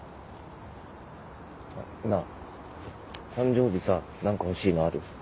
あっなあ誕生日さなんか欲しいのある？